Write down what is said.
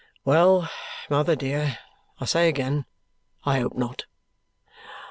"Well, mother dear, I say again, I hope not."